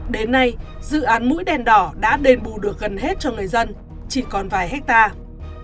đến nay dự án mũi đèn đỏ đã đền bù được gần hết cho người dân chỉ còn vài hectare